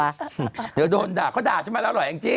เดีี๋ยวโดนด่าเขาด่าใช่ไหมเลยแห่งเจ๊